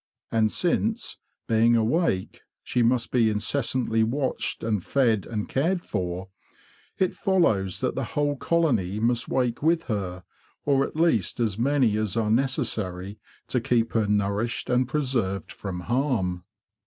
And since, being awake, she must be incessantly watched and fed and THE LONG NIGHT IN THE HIVE 185 cared for, it follows that the whole colony must wake with her, or at least as many as are necessary to keep her nourished and preserved from harm.